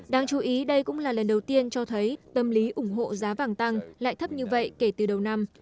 đáng chú ý đây cũng là lần đầu tiên cho thấy tâm lý ủng hộ giá vàng tăng lại thấp như vậy kể từ đầu năm